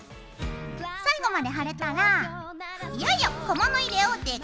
最後まで貼れたらいよいよ小物入れをデコレーション。